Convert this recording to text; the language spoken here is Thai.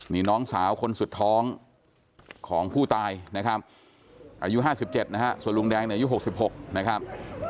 นี่น้องสาวคนสุดท้องของผู้ตายอายุ๕๗นะครับส่วนลุงแดงอายุ๖๖นะครับ